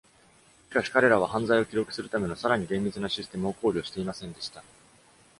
しかし、彼らは犯罪を記録するための、さらに厳密なシステムを考慮していませんでした。